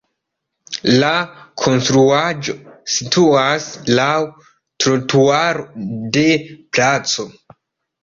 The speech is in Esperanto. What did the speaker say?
La konstruaĵo situas laŭ trotuaro de placo.